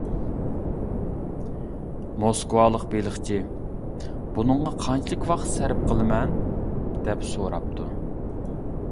موسكۋالىق بېلىقچى: «بۇنىڭغا قانچىلىك ۋاقىت سەرپ قىلىمەن؟ » دەپ سوراپتۇ.